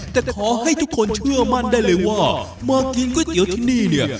แต่ขอให้ทุกคนเชื่อมั่นได้เลยว่ามากินก๋วยเตี๋ยวที่นี่เนี่ย